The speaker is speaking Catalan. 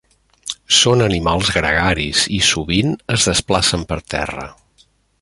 Són animals gregaris i, sovint, es desplacen per terra.